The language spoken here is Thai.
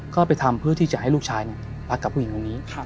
ก็ไปทำเพื่อที่จะให้ลูกชายรักกับผู้หญิงตรงนี้